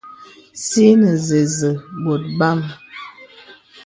Sì ìnə zəzə bɔ̀t bàm.